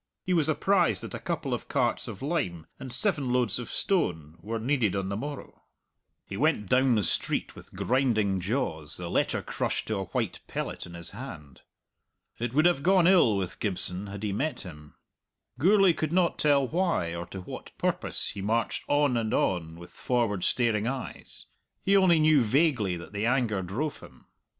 He was apprised that a couple of carts of lime and seven loads of stone were needed on the morrow. He went down the street with grinding jaws, the letter crushed to a white pellet in his hand. It would have gone ill with Gibson had he met him. Gourlay could not tell why, or to what purpose, he marched on and on with forward staring eyes. He only knew vaguely that the anger drove him.